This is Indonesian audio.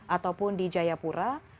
ataupun di jayapura